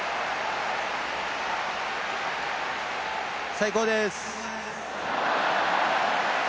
最高です。